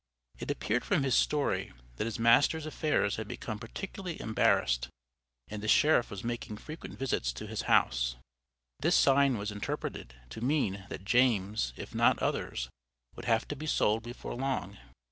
It appeared from his story, that his master's affairs had become particularly embarrassed, and the Sheriff was making frequent visits to his house. This sign was interpreted to mean that James, if not others, would have to be sold before long.